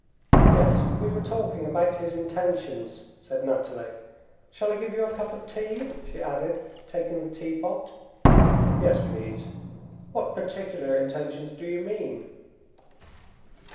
"Yes, we were talking about his intentions," said Nathalie. "Shall I give you a cup of tea?" she added, taking the teapot. "Yes, please. What particular intentions do you mean?"